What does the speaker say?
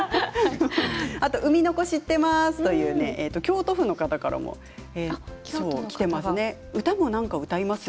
うみのこ知っていますという京都府の方からもきていますね。